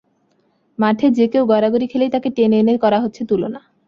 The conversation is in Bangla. মাঠে যে কেউ গড়াগড়ি খেলেই তাঁকে টেনে এনে করা হচ্ছে তুলনা।